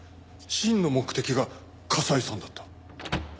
真の目的が笠井さんだった。